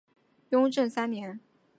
雍正三年。